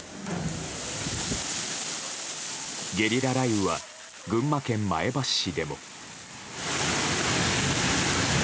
ゲリラ雷雨は群馬県前橋市でも。